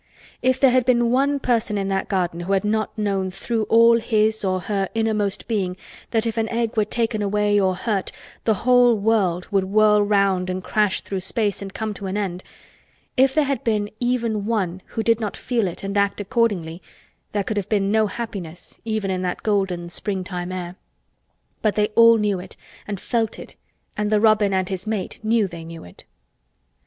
If there had been one person in that garden who had not known through all his or her innermost being that if an Egg were taken away or hurt the whole world would whirl round and crash through space and come to an end—if there had been even one who did not feel it and act accordingly there could have been no happiness even in that golden springtime air. But they all knew it and felt it and the robin and his mate knew they knew it.